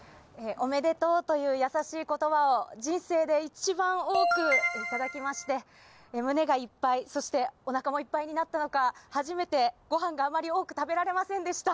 「おめでとう」というやさしい言葉を人生で一番多くいただきまして、胸がいっぱい、そしてお腹もいっぱいになったのか、初めてご飯があまりよく食べられませんでした。